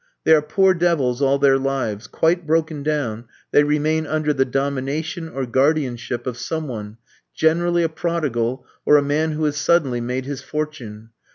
They are poor devils all their lives; quite broken down, they remain under the domination or guardianship of some one, generally a prodigal, or a man who has suddenly made his fortune.